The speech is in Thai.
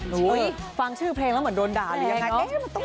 ฟังชื่อเพลงแล้วเหมือนโดนด่าหรือยังไง